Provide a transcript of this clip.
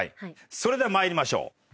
それでは参りましょう。